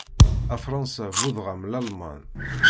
A Fransa buddeɣ-am Lalman.